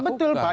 ya betul pak